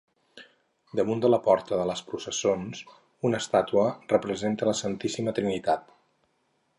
Damunt de la porta de les processons, una estàtua representa la Santíssima Trinitat.